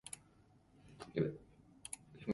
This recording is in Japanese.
ｇｆｖｒｖ